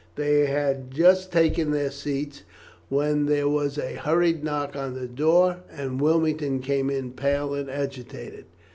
They had just taken their seats when there was a hurried knock on the door, and Wilmington came in, pale and agitated.